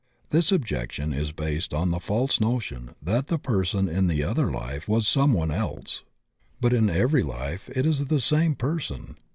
This objection is based on the false notion that the person in the other life was some one else. But in every life it is the same person.